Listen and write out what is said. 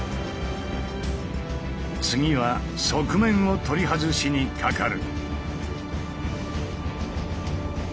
次は側面を取り外しにかかる。